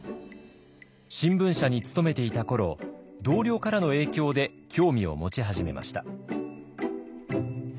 新聞社に勤めていた頃同僚からの影響で興味を持ち始めました。